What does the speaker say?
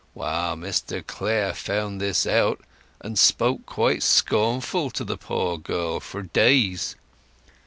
Well, Mr Clare found this out, and spoke quite scornful to the poor girl for days.